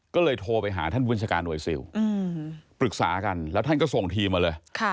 ก็เลยโทรไปหาท่านผู้บัญชาการหน่วยซิลปรึกษากันแล้วท่านก็ส่งทีมมาเลย